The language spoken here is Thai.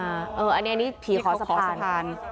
อันนี้ผีขอสะพาน